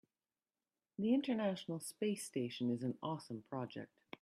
The international space station is an awesome project.